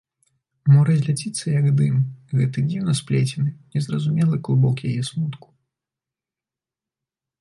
Мо разляціцца, як дым, гэты дзіўна сплецены, незразумелы клубок яе смутку?